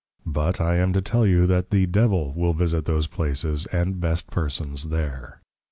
But, I am to tell you that the Devil will visit those Places and best Persons there.